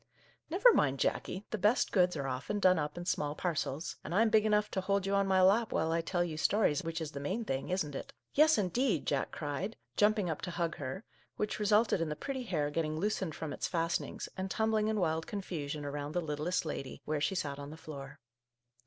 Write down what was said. " Never mind, Jackie, the best goods are Our Little Canadian Cousin 107 often done up in small parcels; and I'm big enough to hold you on my lap while I tell you stories, which is the main thing, isn't it ?" "Yes, indeed," Jack cried, jumping up to hug her, which resulted in the pretty hair get ting loosened from its fastenings and tumbling in wild confusion around the " littlest lady," where she sat on the floor.